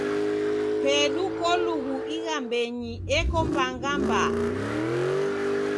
Pedu kolughu ighambenyi eko mbanga mbaa.